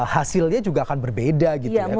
hasilnya juga akan berbeda gitu ya